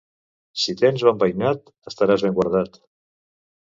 Si tens bon veïnat estaràs ben guardat.